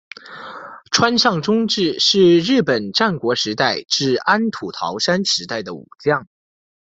川上忠智是日本战国时代至安土桃山时代的武将。